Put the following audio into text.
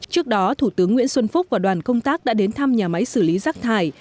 trước đó thủ tướng nguyễn xuân phúc và đoàn công tác đã đến thăm nhà máy xử lý rác thải